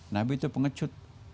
nabi itu pengecut